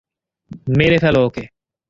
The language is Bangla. মেরে ফেলো ওকে!